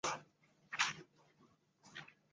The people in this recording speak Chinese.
氨基脲药物中呋喃西林的代谢物。